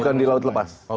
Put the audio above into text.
bukan di laut lepas